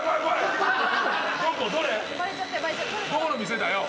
どこの店だよ？